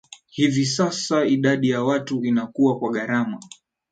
Hivi sasa idadi ya watu inakua kwa gharama